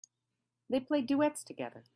They play duets together.